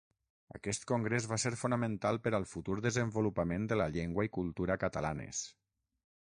Aquest Congrés va ser fonamental per al futur desenvolupament de la llengua i cultura catalanes.